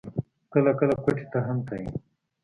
کله کله کوټې ته هم ته.